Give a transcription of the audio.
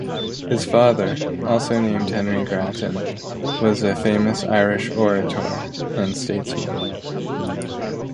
His father, also named Henry Grattan, was a famous Irish orator and statesman.